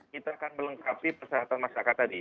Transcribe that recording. kita akan melengkapi kesehatan masyarakat tadi